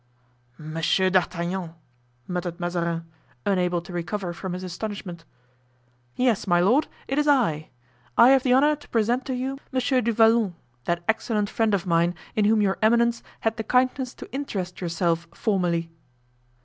"Monsieur d'Artagnan!" muttered Mazarin, unable to recover from his astonishment. "Yes, my lord, it is I. I have the honor to present to you Monsieur du Vallon, that excellent friend of mine, in whom your eminence had the kindness to interest yourself formerly."